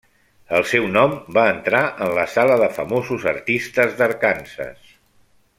El seu nom va entrar en la Sala de Famosos Artistes d'Arkansas.